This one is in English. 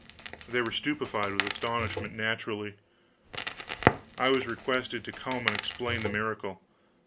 They were stupefied with astonishment naturally. I was requested to come and explain the miracle.